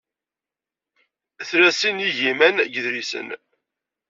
Tla sin n yigiman n yedlisen.